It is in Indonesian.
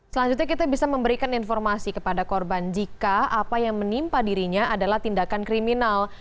selanjutnya kita bisa memberikan informasi kepada korban jika apa yang menimpa dirinya adalah tindakan kriminal